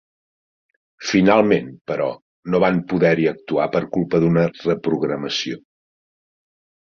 Finalment, però, no van poder-hi actuar per culpa d'una reprogramació.